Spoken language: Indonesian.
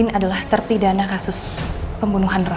andi adalah terpidana kasus pembunuhan roy